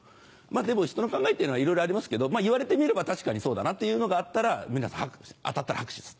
でもひとの考えっていうのはいろいろありますけど言われてみれば確かにそうだなっていうのがあったら皆さん拍手当たったら拍手です。